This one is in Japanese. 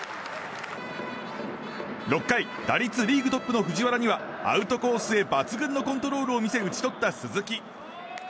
６回、打率リーグトップの藤原にはアウトコースへ抜群のコントロールを見せ打ち取った鈴木。